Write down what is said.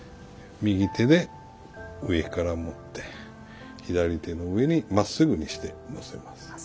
右手で上から持って左手の上にまっすぐにしてのせます。